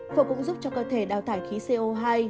phở cũng giúp cho cơ thể đào thải khí co hai